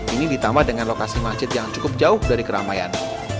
ini ditambah dengan lokasi masjid yang cukup jauh dari keramaian